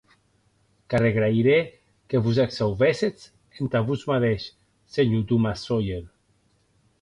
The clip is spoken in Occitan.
Qu'arregraïrè que vos ac sauvèssetz entà vos madeish, senhor Tomàs Sawyer.